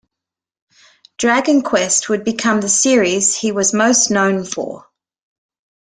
"Dragon Quest" would become the series he was most known for.